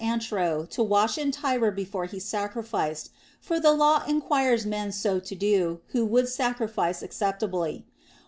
Antro to wash in Tiber before he sacrificed, for the law requires men so to do who would sacrifice acceptably.